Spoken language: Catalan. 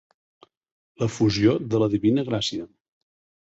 L'efusió de la divina gràcia.